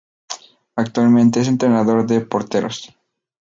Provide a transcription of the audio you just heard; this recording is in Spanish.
Actualmente es entrenador de porteros.